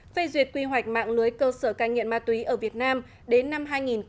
phê duyệt quy hoạch mạng lưới cơ sở cai nghiện ma túy ở việt nam đến năm hai nghìn ba mươi